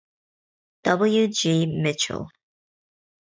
W. G. Mitchell.